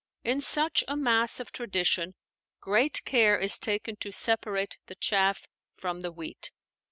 In such a mass of tradition, great care is taken to separate the chaff from the wheat.